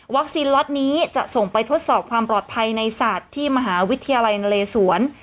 ล็อตนี้จะส่งไปทดสอบความปลอดภัยในศาสตร์ที่มหาวิทยาลัยนเลสวน